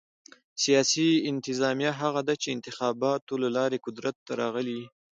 سیاسي انتظامیه هغه ده، چي انتخاباتو له لاري قدرت ته راغلي يي.